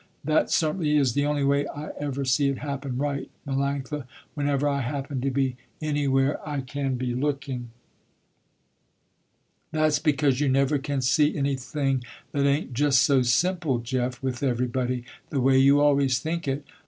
That certainly is the only way I ever see it happen right, Melanctha, whenever I happen to be anywhere I can be looking." "That's because you never can see anything that ain't just so simple, Jeff, with everybody, the way you always think it.